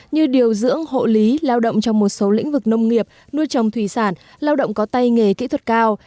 như điều dưỡng hộ lý lao động trong một số lĩnh vực nông nghiệp nuôi trồng thủy sản lao động có tay nghề kỹ thuật cao